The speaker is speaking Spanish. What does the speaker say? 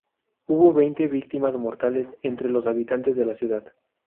Hubo veinte víctimas mortales entre los habitantes de la ciudad.